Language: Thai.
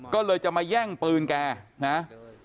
ก็เลยจะมาแย่งปืนแกนะ